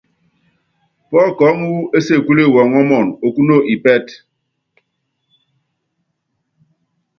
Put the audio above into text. Pɔ́kɔɔ́ŋu wú ésekule wɔngɔmun, okúno ipɛ́tɛ.